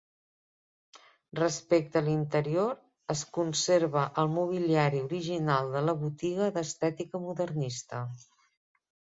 Respecte a l'interior, es conserva el mobiliari original de la botiga d'estètica modernista.